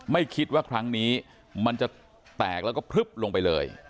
ไม่คิดว่าครั้งนี้มันจะแตกแล้วก็พลึบลงไปเลย